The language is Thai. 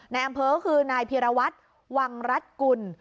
ในอัมเภอคือนายเพราะพี่ระวัติวังรัชกุล